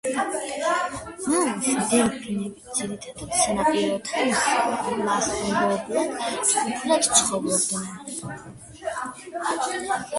მაუის დელფინები ძირითადად სანაპიროთა მახლობლად ჯგუფებად ცხოვრობენ.